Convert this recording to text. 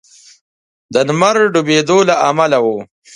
د لمر د ډبېدو له امله و.